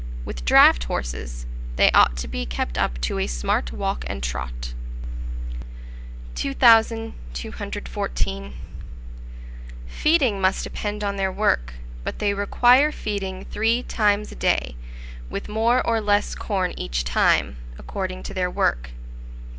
With draught horses they ought to be kept up to a smart walk and trot. 2214. Feeding must depend on their work, but they require feeding three times a day, with more or less corn each time, according to their work.